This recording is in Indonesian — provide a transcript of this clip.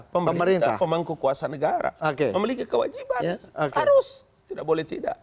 pemerintah pemangku kuasa negara memiliki kewajiban harus tidak boleh tidak